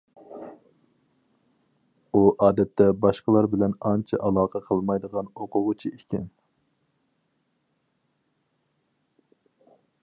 ئۇ ئادەتتە باشقىلار بىلەن ئانچە ئالاقە قىلمايدىغان ئوقۇغۇچى ئىكەن.